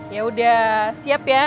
yaudah siap ya